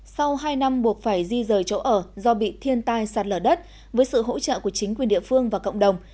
sau hai năm buộc phải di rời chỗ ở do bị thiên tai sạt lở đất với sự hỗ trợ của chính quyền địa phương và cộng đồng